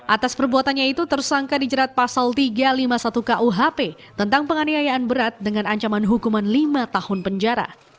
atas perbuatannya itu tersangka dijerat pasal tiga ratus lima puluh satu kuhp tentang penganiayaan berat dengan ancaman hukuman lima tahun penjara